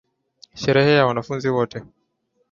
Sherehe ya wanafunzi wote.